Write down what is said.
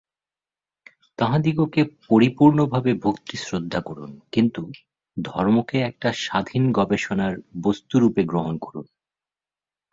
তাঁহাদিগকে পরিপূর্ণভাবে ভক্তি-শ্রদ্ধা করুন, কিন্তু ধর্মকে একটা স্বাধীন গবেষণার বস্তুরূপে গ্রহণ করুন।